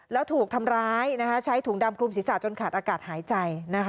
แล้วถูกทำร้ายใช้ถุงดำคลุมศีรษะจนขาดอากาศหายใจ